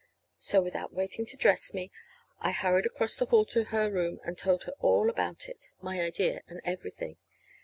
So, without waiting to dress me, I hurried across the hall to her room and told her all about it my idea, and everything.